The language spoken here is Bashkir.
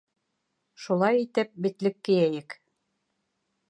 Шулай итеп, битлек кейәйек.